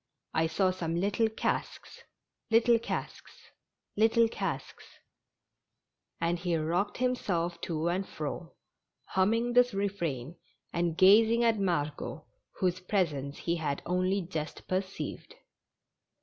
I saw some little casks — little casks — little casks " And he rocked himself to and fro, humming this refrain, and gazing at Margot, whose presence he had only just perceived.